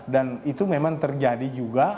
dan itu memang terjadi juga